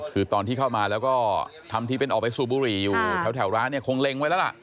คือตอนที่เข้ามาแล้วก็ทำที่เป็นออกไปสูบบุหรี่อยู่แถวร้านเนี่ยคงเล็งไว้แล้วล่ะ